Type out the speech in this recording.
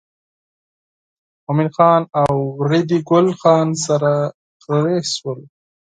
مومن خان او ریډي ګل خان سره رهي شول.